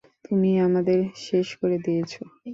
তুমি আমাদের শেষ করে দিয়েছ!